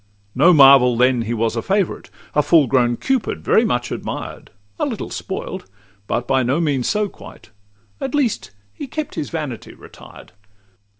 No marvel then he was a favourite; A full grown Cupid, very much admired; A little spoilt, but by no means so quite; At least he kept his vanity retired.